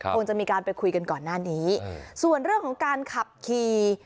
คงจะมีการไปคุยกันก่อนหน้านี้ส่วนเรื่องของการขับขี่